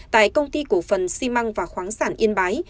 tại công ty cổ phần xi măng và khoáng sản yên bái